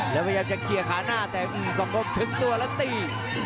และพยับจะเคียกขาหน้าแรงสองคมถึงตัวและตี